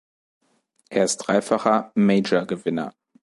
Er ist dreifacher "Major"-Gewinner.